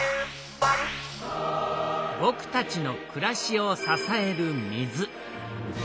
ぼくたちのくらしをささえる水。